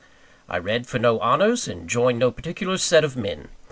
I read for no honours, and joined no particular set of men.